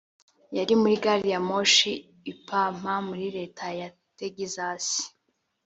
yari muri gari ya moshi i pampa muri leta ya tegizasi